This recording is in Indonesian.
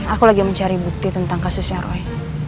aku lagi mencari bukti tentang kasusnya roy